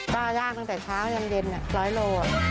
ป้าย่างตั้งแต่เช้ายังเย็น๑๐๐กิโล